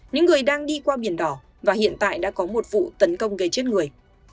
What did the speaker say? những người đang đi qua biển đỏ và hiện tại đã có một vụ tấn công gây chết người